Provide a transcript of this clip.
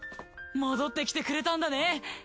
戻ってきてくれたんだね！